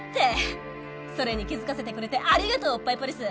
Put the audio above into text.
それに気づかせてくれてありがとうおっぱいポリス！